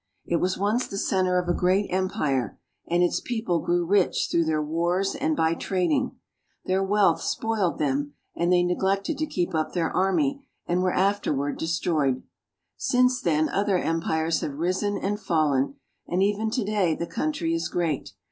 It was once the center of a great empire, and its people grew rich through their wars and by trading. Their wealth spoiled them, and they neglected to keep up their army, and were afterward destroyed. Since then other empires have risen and fallen, and even to day the country is great.